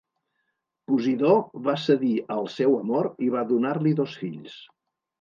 Posidó va cedir al seu amor i va donar-li dos fills.